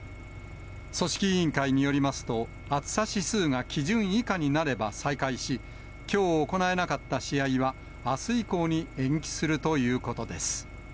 組織委員会によりますと、暑さ指数が基準以下になれば再開し、きょう行えなかった試合は、あす以降に延期するということです。